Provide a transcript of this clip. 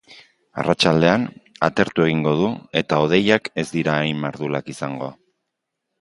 Arratsaldean, atertu egingo du eta hodeiak ez dira hain mardulak izango.